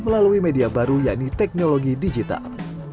melalui media baru yakni teknologi digital